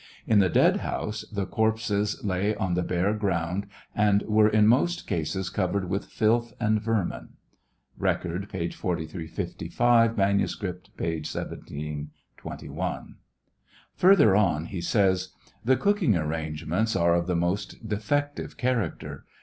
In the dead house the corpses lay on the bare ground, and were in most cases covered with filth and vermin. (Record, p. 4355 ; manuscript, p. 1721.) Further on he says : The cooking arrangements are of the most defective character.